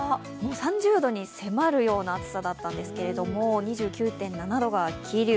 ３０度に迫るような暑さだったんですけれども、２９．７度が桐生。